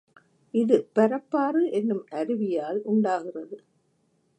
இது பரப்பாறு என்னும் அருவியால் உண்டாகிறது.